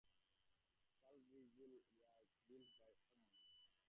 "Salvigil" was built by Wm.